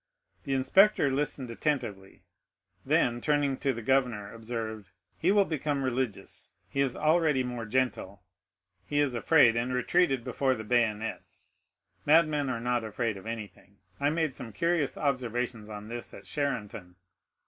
The inspector listened attentively; then, turning to the governor, observed, "He will become religious—he is already more gentle; he is afraid, and retreated before the bayonets—madmen are not afraid of anything; I made some curious observations on this at Charenton."